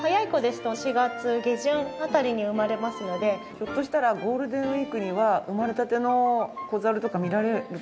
ひょっとしたらゴールデンウィークには生まれたての子猿とか見られる可能性あります？